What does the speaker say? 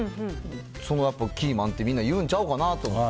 そのやっぱキーマンってみんな言うんちゃうかなと思って。